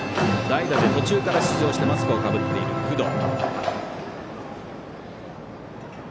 代打で、途中から出場してマスクをかぶっている工藤。